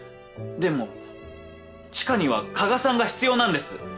でも知花には加賀さんが必要なんです。